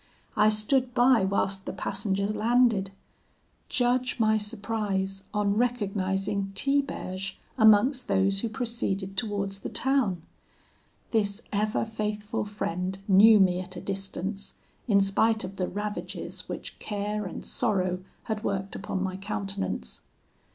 I stood by whilst the passengers landed. Judge my surprise on recognising Tiberge amongst those who proceeded towards the town. This ever faithful friend knew me at a distance, in spite of the ravages which care and sorrow had worked upon my countenance.